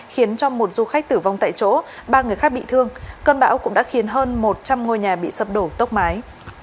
khiến cho một du khách tử vong tại chỗ ba người khác bị thương cơn bão cũng đã khiến hơn một trăm linh ngôi nhà bị sập đổ tốc mái